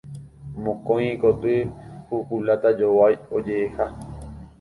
Mokõi ikoty, ku kuláta jovái oje'eha.